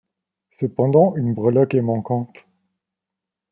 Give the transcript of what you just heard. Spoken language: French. Cependant, une breloque est manquante.